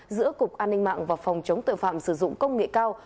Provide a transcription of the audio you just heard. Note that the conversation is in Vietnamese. giữa cục an ninh mạng và phòng chống tội phạm sử dụng công nghệ cao